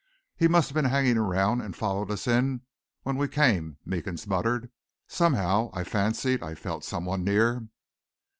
"He must have been hanging around and followed us in when we came," Meekins muttered. "Somehow, I fancied I felt some one near."